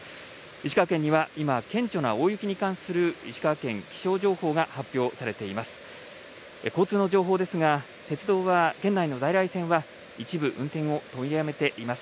石川県には今、顕著な大雪に関する石川県気象情報が発表されています。